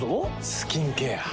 スキンケア。